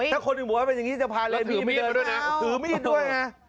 ถ้าคนอื่นบอกว่าเป็นอย่างนี้จะพาเรนด้วยนะถือมีดด้วยไง